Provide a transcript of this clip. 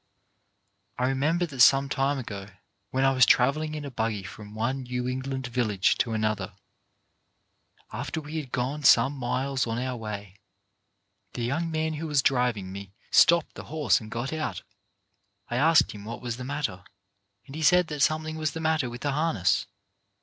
I remember that some time ago when I was travelling in a buggy from one New England village to another, after we had gone some miles on our way, the young man who was driving me stopped the horse and got out. I asked him what was the matter, and he said that something was the matter with the harness.